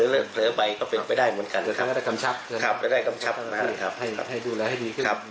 เผลอไปก็เป็นไม่ได้เหมือนกันครับครับไม่ได้กำชับครับครับให้ดูแลให้ดีขึ้น